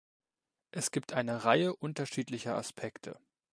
Es gibt eine Reihe unterschiedlicher Aspekte.